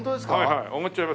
はいはい。